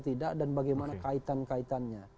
tidak dan bagaimana kaitan kaitannya